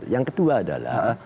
yang kedua adalah